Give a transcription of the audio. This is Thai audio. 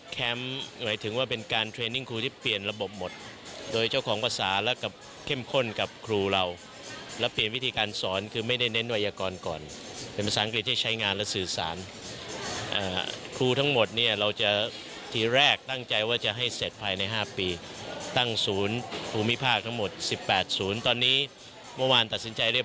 เขาก็คงจะไม่มีวันนี้